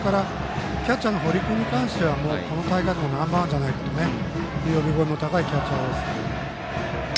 キャッチャーの堀君に関してはこの大会ナンバーワンじゃないかという呼び声も高いキャッチャーです。